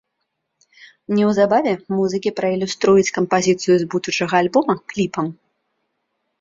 Неўзабаве музыкі праілюструюць кампазіцыю з будучага альбома кліпам.